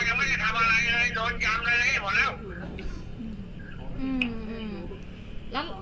โดนอย่างเลยหมดแล้ว